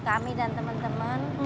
kami dan teman teman